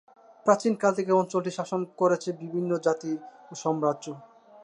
প্রাচীন কাল থেকে অঞ্চলটি শাসন করেছে বিভিন্ন জাতি ও সাম্রাজ্য।